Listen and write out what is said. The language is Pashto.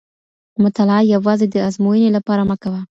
مطالعه یوازې د ازموینې لپاره مه کوه.